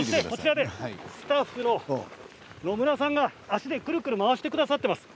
スタッフの野村さんが足でくるくる回してくださっています。